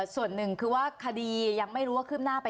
ส่วนหนึ่งคือว่าคดียังไม่รู้ว่า